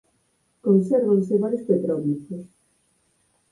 Consérvanse varios petróglifos.